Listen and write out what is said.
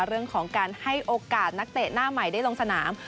เรื่องของการให้โอกาสนักเตะหน้าใหม่ได้ลงสนาม